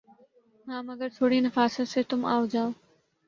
ہاں مگر تھوڑی نفاست سے تُم آؤجاؤ